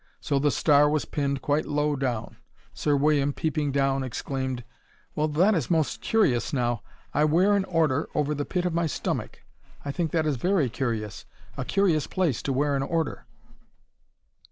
So the star was pinned quite low down. Sir William, peeping down, exclaimed: "Well, that is most curious now! I wear an order over the pit of my stomach! I think that is very curious: a curious place to wear an order."